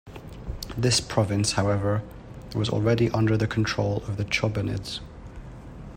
This province, however, was already under the control of the Chobanids.